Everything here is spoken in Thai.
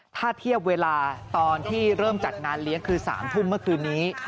ถ้าเทียบเวลาตอนที่เริ่มจัดงานเลี้ยงคือ๓ทุ่มเมื่อคืนนี้